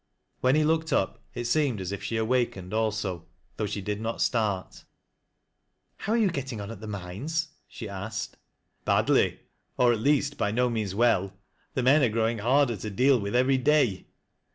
When he looked up, it seemed as if she awakened also, though she did not start. " How are you getting on at the mines ?" she askc 1. " Badly. Or, at least, by no means well. The mei, are growing harder to deal with every day."